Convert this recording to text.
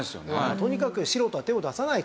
とにかく素人は手を出さないと。